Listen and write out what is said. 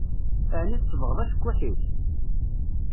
Aɛni tsebɣeḍ acekkuḥ-ik?